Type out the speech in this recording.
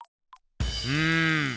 うん！